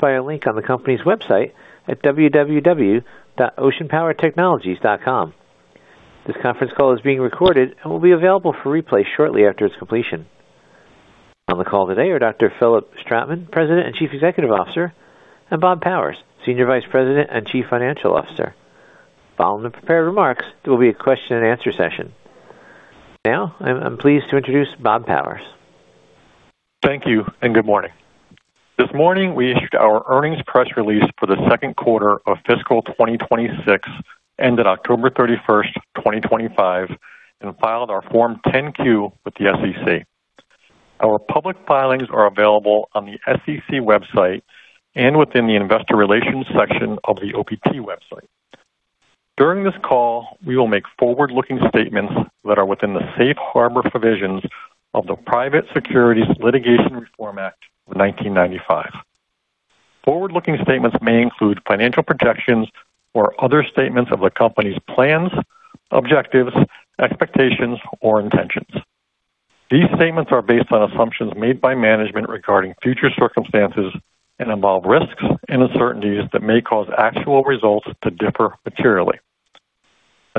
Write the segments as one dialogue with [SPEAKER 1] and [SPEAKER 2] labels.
[SPEAKER 1] Via a link on the company's website at www.oceanpowertechnologies.com. This conference call is being recorded and will be available for replay shortly after its completion. On the call today are Dr. Philipp Stratmann, President and Chief Executive Officer, and Bob Powers, Senior Vice President and Chief Financial Officer. Following the prepared remarks, there will be a question-and-answer session. Now, I'm pleased to introduce Bob Powers.
[SPEAKER 2] Thank you and good morning. This morning, we issued our earnings press release for the Second Quarter of Fiscal 2026 ended October 31st, 2025, and filed our Form 10-Q with the SEC. Our public filings are available on the SEC website and within the Investor Relations section of the OPT website. During this call, we will make forward-looking statements that are within the safe harbor provisions of the Private Securities Litigation Reform Act of 1995. Forward-looking statements may include financial projections or other statements of the company's plans, objectives, expectations, or intentions. These statements are based on assumptions made by management regarding future circumstances and involve risks and uncertainties that may cause actual results to differ materially.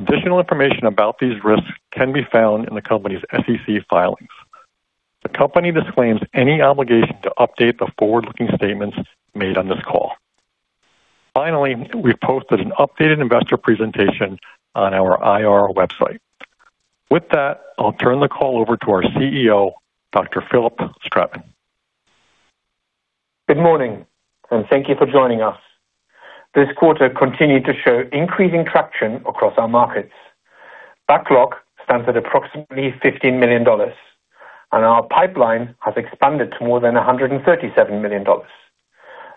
[SPEAKER 2] Additional information about these risks can be found in the company's SEC filings. The company disclaims any obligation to update the forward-looking statements made on this call. Finally, we've posted an updated investor presentation on our IR website. With that, I'll turn the call over to our CEO, Dr. Philipp Stratmann.
[SPEAKER 3] Good morning, and thank you for joining us. This quarter continued to show increasing traction across our markets. Backlog stands at approximately $15 million, and our pipeline has expanded to more than $137 million.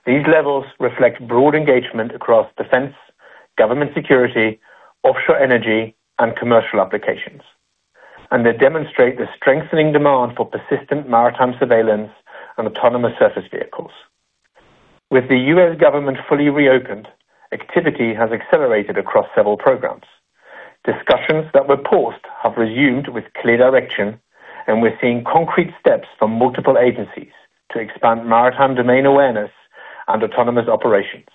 [SPEAKER 3] These levels reflect broad engagement across defense, government security, offshore energy, and commercial applications, and they demonstrate the strengthening demand for persistent maritime surveillance and autonomous surface vehicles. With the U.S. government fully reopened, activity has accelerated across several programs. Discussions that were paused have resumed with clear direction, and we're seeing concrete steps from multiple agencies to expand maritime domain awareness and autonomous operations.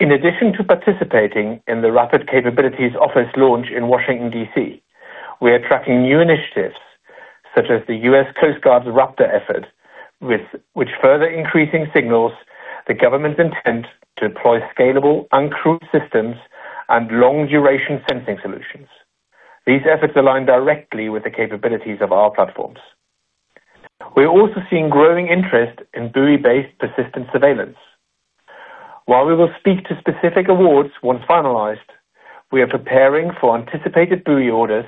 [SPEAKER 3] In addition to participating in the Rapid Capabilities Office launch in Washington, D.C., we are tracking new initiatives such as the U.S. Coast Guard's RAPTOR effort, which further signals the government's intent to deploy scalable uncrewed systems and long-duration sensing solutions. These efforts align directly with the capabilities of our platforms. We're also seeing growing interest in buoy-based persistent surveillance. While we will speak to specific awards once finalized, we are preparing for anticipated buoy orders,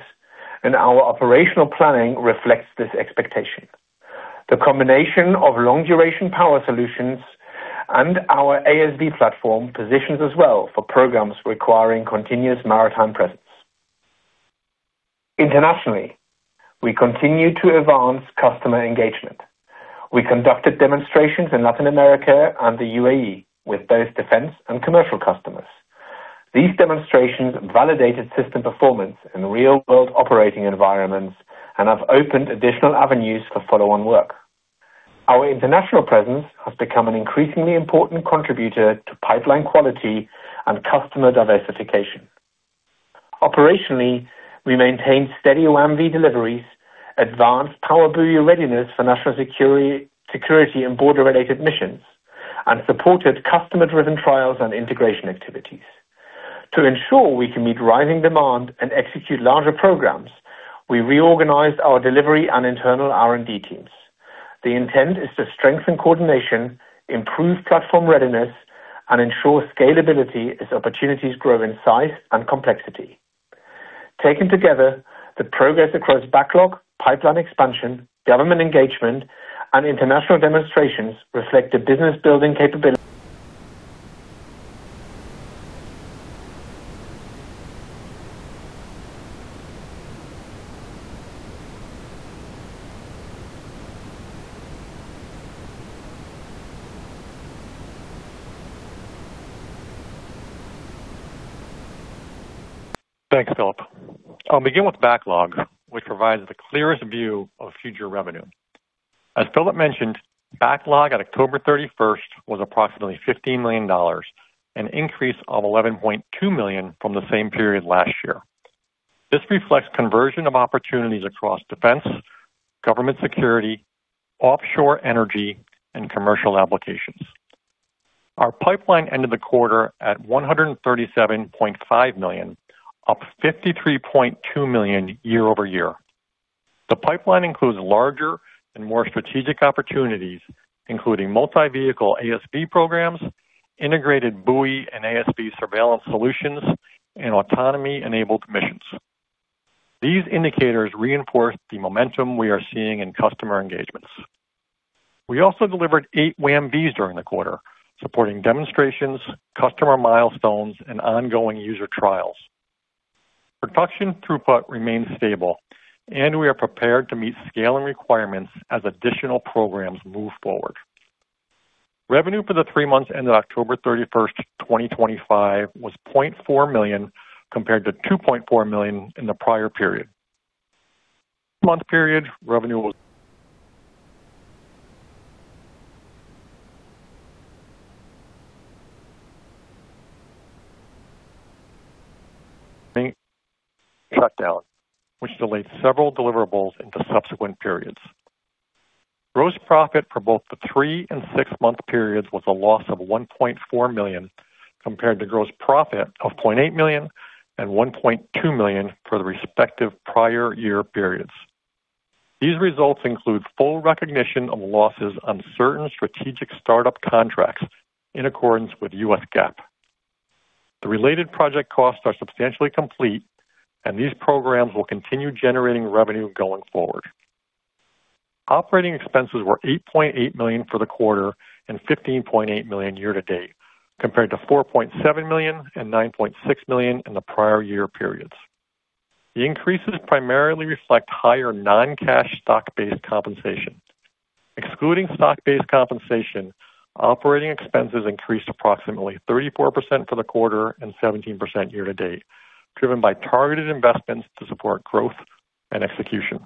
[SPEAKER 3] and our operational planning reflects this expectation. The combination of long-duration power solutions and our ASV platform positions us well for programs requiring continuous maritime presence. Internationally, we continue to advance customer engagement. We conducted demonstrations in Latin America and the U.A.E. with both defense and commercial customers. These demonstrations validated system performance in real-world operating environments and have opened additional avenues for follow-on work. Our international presence has become an increasingly important contributor to pipeline quality and customer diversification. Operationally, we maintained steady WAM-V deliveries, advanced PowerBuoy readiness for national security and border-related missions, and supported customer-driven trials and integration activities. To ensure we can meet rising demand and execute larger programs, we reorganized our delivery and internal R&D teams. The intent is to strengthen coordination, improve platform readiness, and ensure scalability as opportunities grow in size and complexity. Taken together, the progress across backlog, pipeline expansion, government engagement, and international demonstrations reflect the business-building capability.
[SPEAKER 2] Thanks, Philipp. I'll begin with backlog, which provides the clearest view of future revenue. As Philipp mentioned, backlog at October 31st was approximately $15 million, an increase of $11.2 million from the same period last year. This reflects conversion of opportunities across defense, government security, offshore energy, and commercial applications. Our pipeline ended the quarter at $137.5 million, up $53.2 million year-over-year. The pipeline includes larger and more strategic opportunities, including multi-vehicle ASV programs, integrated buoy and ASV surveillance solutions, and autonomy-enabled missions. These indicators reinforce the momentum we are seeing in customer engagements. We also delivered eight WAM-V during the quarter, supporting demonstrations, customer milestones, and ongoing user trials. Production throughput remains stable, and we are prepared to meet scaling requirements as additional programs move forward. Revenue for the three months ended October 31st, 2025, was $0.4 million compared to $2.4 million in the prior period. Month-period revenue was shut down, which delayed several deliverables into subsequent periods. Gross profit for both the three and six-month periods was a loss of $1.4 million compared to gross profit of $0.8 million and $1.2 million for the respective prior year periods. These results include full recognition of losses on certain strategic startup contracts in accordance with U.S. GAAP. The related project costs are substantially complete, and these programs will continue generating revenue going forward. Operating expenses were $8.8 million for the quarter and $15.8 million year-to-date compared to $4.7 million and $9.6 million in the prior year periods. The increases primarily reflect higher non-cash stock-based compensation. Excluding stock-based compensation, operating expenses increased approximately 34% for the quarter and 17% year-to-date, driven by targeted investments to support growth and execution.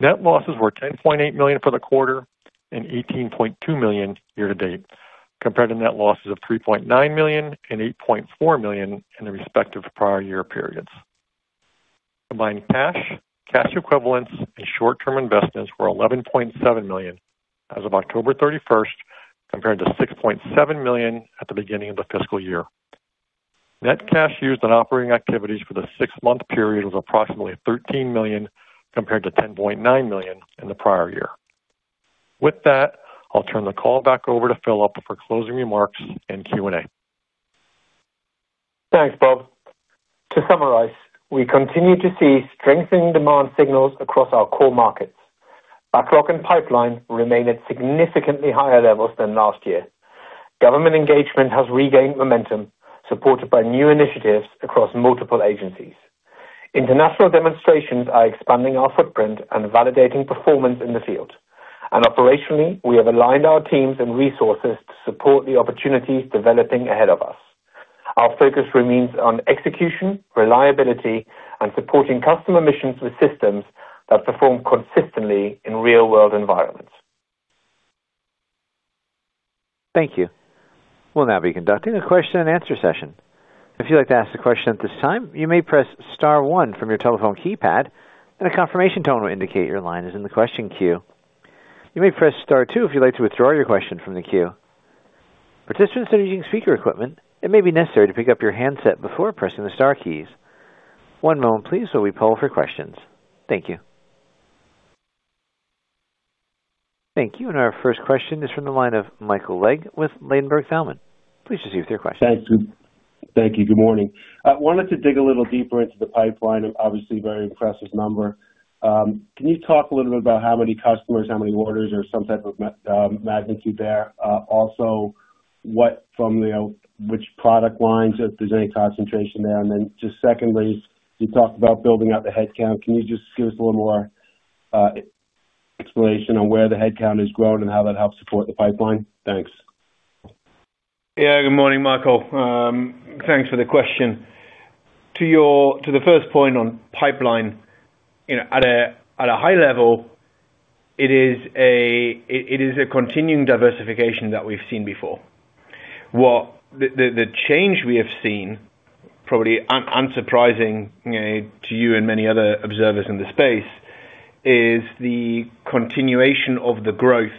[SPEAKER 2] Net losses were $10.8 million for the quarter and $18.2 million year-to-date compared to net losses of $3.9 million and $8.4 million in the respective prior year periods. Combined cash, cash equivalents, and short-term investments were $11.7 million as of October 31st compared to $6.7 million at the beginning of the fiscal year. Net cash used on operating activities for the six-month period was approximately $13 million compared to $10.9 million in the prior year. With that, I'll turn the call back over to Philipp for closing remarks and Q&A. Thanks, Bob.
[SPEAKER 3] To summarize, we continue to see strengthening demand signals across our core markets. Backlog and pipeline remain at significantly higher levels than last year. Government engagement has regained momentum, supported by new initiatives across multiple agencies. International demonstrations are expanding our footprint and validating performance in the field. And operationally, we have aligned our teams and resources to support the opportunities developing ahead of us. Our focus remains on execution, reliability, and supporting customer missions with systems that perform consistently in real-world environments.
[SPEAKER 1] Thank you. We'll now be conducting a question-and-answer session. If you'd like to ask a question at this time, you may press star one from your telephone keypad, and a confirmation tone will indicate your line is in the question queue. You may press star two if you'd like to withdraw your question from the queue. Participants are using speaker equipment. It may be necessary to pick up your handset before pressing the star keys. One moment, please, while we poll for questions. Thank you. Thank you, and our first question is from the line of Michael Legg with Ladenburg Thalmann. Please proceed with your question.
[SPEAKER 4] Thank you. Thank you. Good morning. I wanted to dig a little deeper into the pipeline. Obviously, very impressive number. Can you talk a little bit about how many customers, how many orders, or some type of magnitude there? Also, what from which product lines, if there's any concentration there? And then just secondly, you talked about building out the headcount. Can you just give us a little more explanation on where the headcount is grown and how that helps support the pipeline? Thanks.
[SPEAKER 3] Yeah. Good morning, Michael. Thanks for the question. To the first point on pipeline, at a high level, it is a continuing diversification that we've seen before. The change we have seen, probably unsurprising to you and many other observers in the space, is the continuation of the growth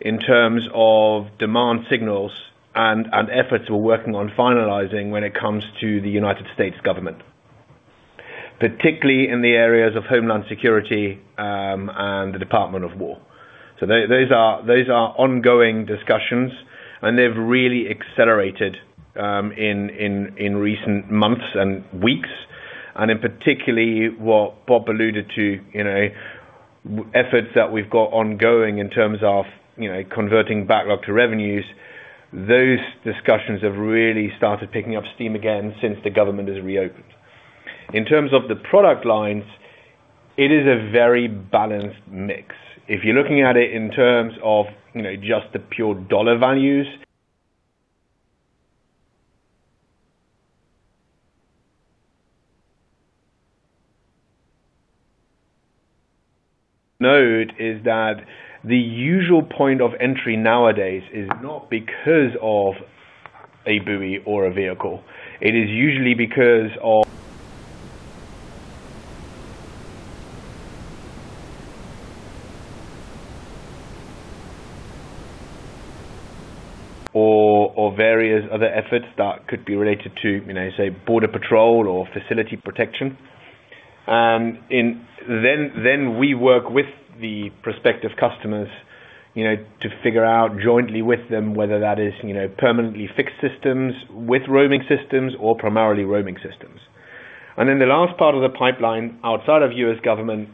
[SPEAKER 3] in terms of demand signals and efforts we're working on finalizing when it comes to the United States government, particularly in the areas of homeland security and the Department of War. So those are ongoing discussions, and they've really accelerated in recent months and weeks. And, in particular, what Bob alluded to, efforts that we've got ongoing in terms of converting backlog to revenues, those discussions have really started picking up steam again since the government has reopened. In terms of the product lines, it is a very balanced mix. If you're looking at it in terms of just the pure dollar values, note that the usual point of entry nowadays is not because of a buoy or a vehicle. It is usually because of various other efforts that could be related to, say, border patrol or facility protection. Then we work with the prospective customers to figure out jointly with them whether that is permanently fixed systems with roaming systems or primarily roaming systems. And then the last part of the pipeline outside of U.S. government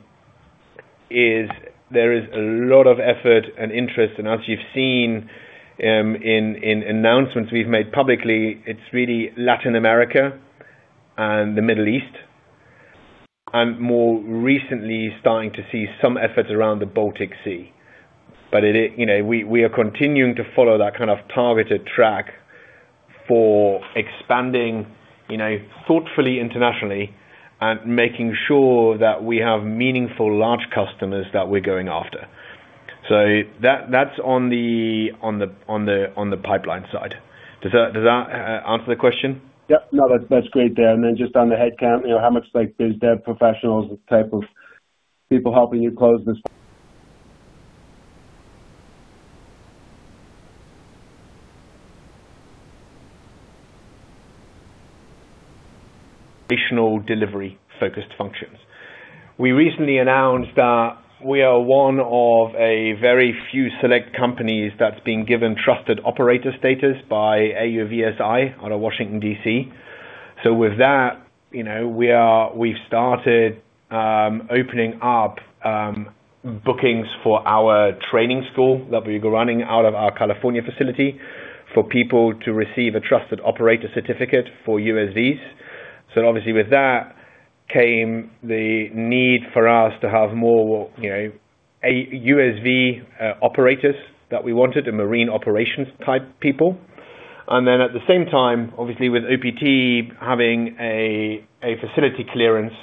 [SPEAKER 3] is there is a lot of effort and interest. And as you've seen in announcements we've made publicly, it's really Latin America and the Middle East, and more recently starting to see some efforts around the Baltic Sea. But we are continuing to follow that kind of targeted track for expanding thoughtfully internationally and making sure that we have meaningful large customers that we're going after. So that's on the pipeline side. Does that answer the question?
[SPEAKER 4] Yep. No, that's great there. And then just on the headcount, how much is there professionals type of people helping you close this?
[SPEAKER 3] Delivery-focused functions. We recently announced that we are one of a very few select companies that's been given trusted operator status by AUVSI out of Washington, D.C. So with that, we've started opening up bookings for our training school that we're running out of our California facility for people to receive a trusted operator certificate for USVs. So obviously, with that came the need for us to have more USV operators that we wanted, the marine operations type people. And then at the same time, obviously, with OPT having a facility clearance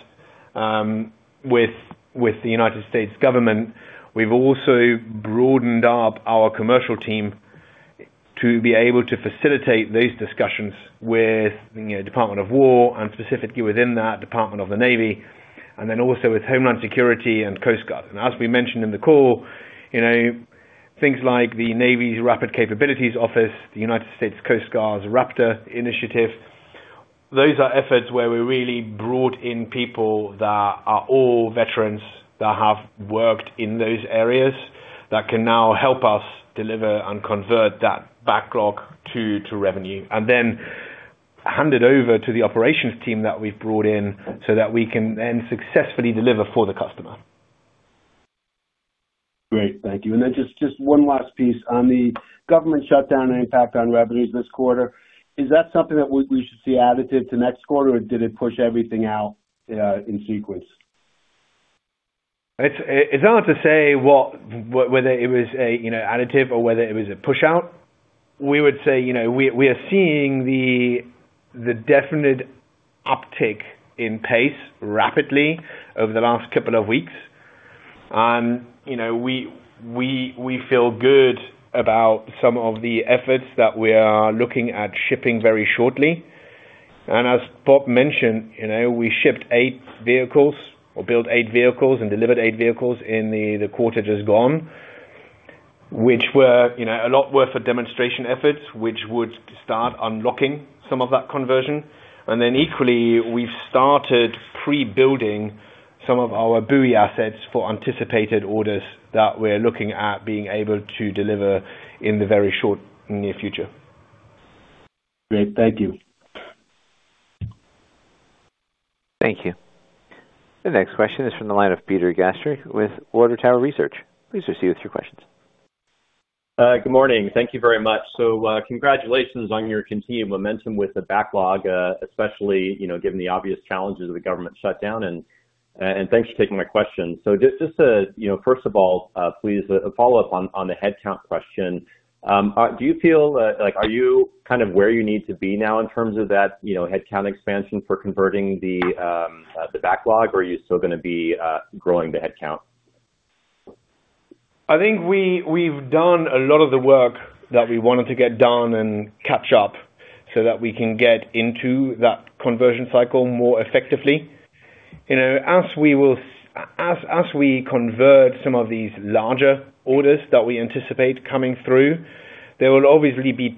[SPEAKER 3] with the United States government, we've also broadened up our commercial team to be able to facilitate those discussions with the Department of War and specifically within that, Department of the Navy, and then also with Homeland Security and Coast Guard. As we mentioned in the call, things like the Navy's Rapid Capabilities Office, the United States Coast Guard's RAPTOR initiative, those are efforts where we really brought in people that are all veterans that have worked in those areas that can now help us deliver and convert that backlog to revenue and then hand it over to the operations team that we've brought in so that we can then successfully deliver for the customer.
[SPEAKER 4] Great. Thank you. And then just one last piece. On the government shutdown and impact on revenues this quarter, is that something that we should see additive to next quarter, or did it push everything out in sequence?
[SPEAKER 3] It's hard to say whether it was additive or whether it was a push-out. We would say we are seeing the definite uptick in pace rapidly over the last couple of weeks. And we feel good about some of the efforts that we are looking at shipping very shortly. And as Bob mentioned, we shipped eight vehicles or built eight vehicles and delivered eight vehicles in the quarter just gone, which were a lot worth of demonstration efforts which would start unlocking some of that conversion. And then equally, we've started pre-building some of our buoy assets for anticipated orders that we're looking at being able to deliver in the very short near future.
[SPEAKER 4] Great. Thank you.
[SPEAKER 1] Thank you. The next question is from the line of Peter Glass with Water Tower Research. Please proceed with your questions.
[SPEAKER 5] Good morning. Thank you very much. So congratulations on your continued momentum with the backlog, especially given the obvious challenges of the government shutdown. And thanks for taking my question. So just first of all, please, a follow-up on the headcount question. Do you feel like are you kind of where you need to be now in terms of that headcount expansion for converting the backlog, or are you still going to be growing the headcount?
[SPEAKER 3] I think we've done a lot of the work that we wanted to get done and catch up so that we can get into that conversion cycle more effectively. As we convert some of these larger orders that we anticipate coming through, there will obviously be,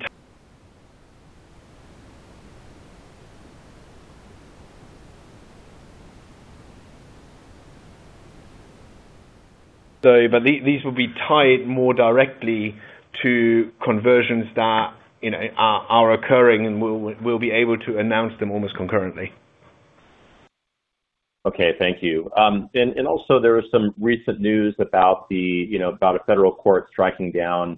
[SPEAKER 3] but these will be tied more directly to conversions that are occurring, and we'll be able to announce them almost concurrently.
[SPEAKER 5] Okay. Thank you. And also, there was some recent news about a federal court striking down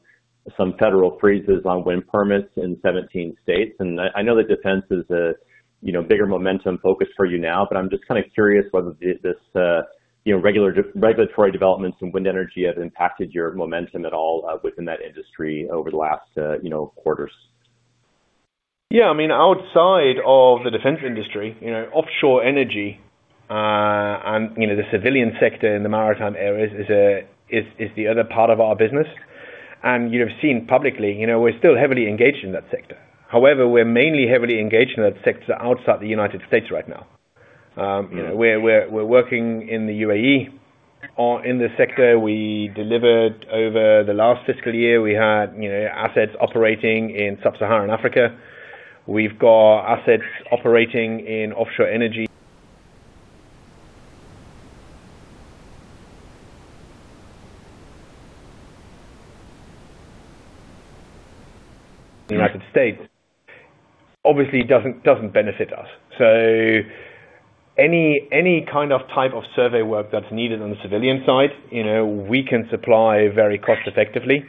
[SPEAKER 5] some federal freezes on wind permits in 17 states. And I know that defense is a bigger momentum focus for you now, but I'm just kind of curious whether this regulatory developments in wind energy have impacted your momentum at all within that industry over the last quarters?
[SPEAKER 3] Yeah. I mean, outside of the defense industry, offshore energy and the civilian sector in the maritime areas is the other part of our business. And you have seen publicly, we're still heavily engaged in that sector. However, we're mainly heavily engaged in that sector outside the United States right now. We're working in the U.A.E. in the sector. We delivered over the last fiscal year. We had assets operating in Sub-Saharan Africa. We've got assets operating in offshore energy. United States obviously doesn't benefit us. So any kind of type of survey work that's needed on the civilian side, we can supply very cost-effectively.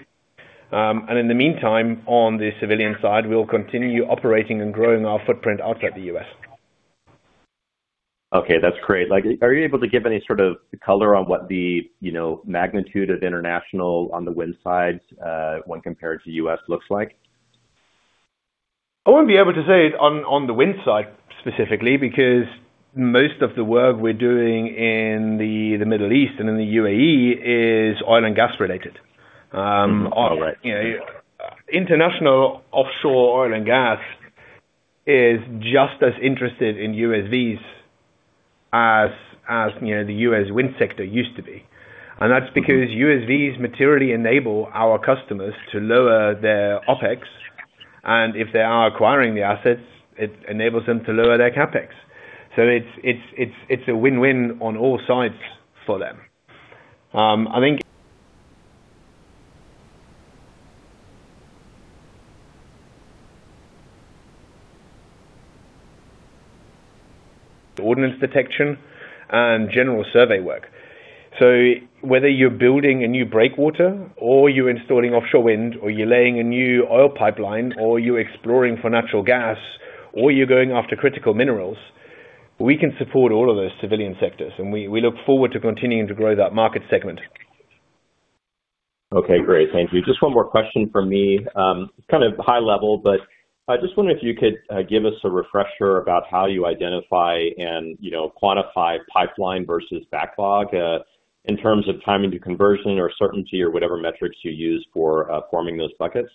[SPEAKER 3] And in the meantime, on the civilian side, we'll continue operating and growing our footprint outside the U.S..
[SPEAKER 5] Okay. That's great. Are you able to give any sort of color on what the magnitude of international on the wind side when compared to U.S. looks like?
[SPEAKER 3] I won't be able to say it on the wind side specifically because most of the work we're doing in the Middle East and in the U.A.E. is oil and gas related. International offshore oil and gas is just as interested in USVs as the U.S. wind sector used to be, and that's because USVs materially enable our customers to lower their OpEx. And if they are acquiring the assets, it enables them to lower their CapEx. So it's a win-win on all sides for them. I think: ordnance detection and general survey work. So whether you're building a new breakwater or you're installing offshore wind or you're laying a new oil pipeline or you're exploring for natural gas or you're going after critical minerals, we can support all of those civilian sectors. And we look forward to continuing to grow that market segment.
[SPEAKER 5] Okay. Great. Thank you. Just one more question from me. Kind of high level, but I just wonder if you could give us a refresher about how you identify and quantify pipeline versus backlog in terms of timing to conversion or certainty or whatever metrics you use for forming those buckets?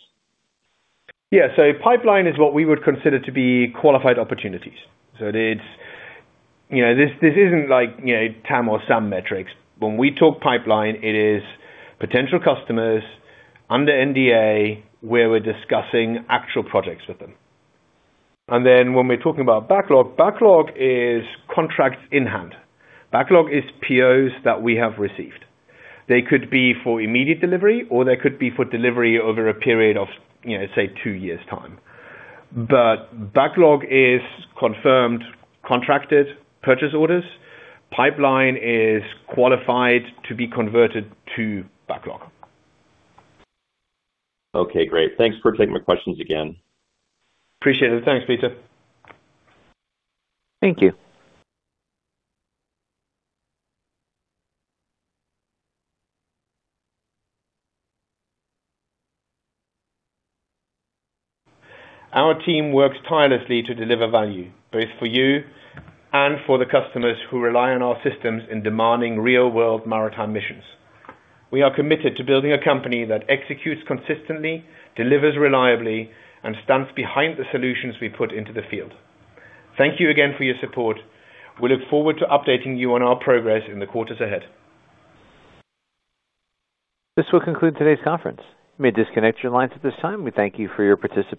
[SPEAKER 3] Yeah. So pipeline is what we would consider to be qualified opportunities. So this isn't like TAM or SAM metrics. When we talk pipeline, it is potential customers under NDA where we're discussing actual projects with them. And then when we're talking about backlog, backlog is contracts in hand. Backlog is POs that we have received. They could be for immediate delivery, or they could be for delivery over a period of, say, two years' time. But backlog is confirmed contracted purchase orders. Pipeline is qualified to be converted to backlog.
[SPEAKER 5] Okay. Great. Thanks for taking my questions again.
[SPEAKER 3] Appreciate it. Thanks, Peter.
[SPEAKER 1] Thank you.
[SPEAKER 3] Our team works tirelessly to deliver value both for you and for the customers who rely on our systems in demanding real-world maritime missions. We are committed to building a company that executes consistently, delivers reliably, and stands behind the solutions we put into the field. Thank you again for your support. We look forward to updating you on our progress in the quarters ahead.
[SPEAKER 1] This will conclude today's conference. You may disconnect your lines at this time. We thank you for your participation.